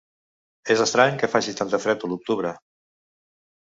És estrany que faci tant fred a l'octubre.